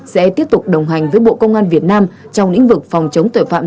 sẽ tiếp tục đồng hành với bộ công an việt nam trong lĩnh vực phòng chống tội phạm